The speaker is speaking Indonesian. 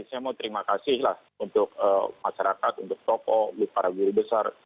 saya mau terima kasih lah untuk masyarakat untuk tokoh untuk para guru besar